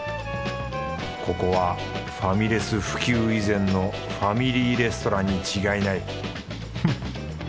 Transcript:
ここはファミレス普及以前のファミリーレストランに違いないフッ。